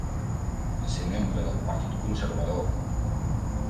Va ser membre del Partit Conservador.